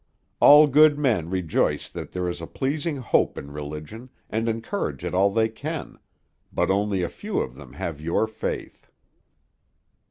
All good men rejoice that there is a pleasing hope in religion, and encourage it all they can, but only a few of them have your faith."